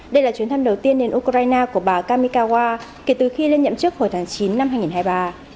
đây là chuyến thăm đầu tiên đến ukraine của bà kamikawa kể từ khi lên nhậm chức hồi tháng chín năm hai nghìn hai mươi ba